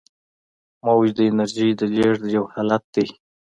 موج د انرژۍ د لیږد یو حالت دی.